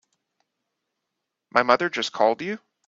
My mother just called you?